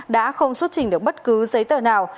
đã không xuất trình được bất cứ giấy tờ nào